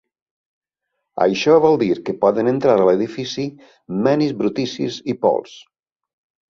Això vol dir que poden entrar a l'edifici menys brutícies i pols.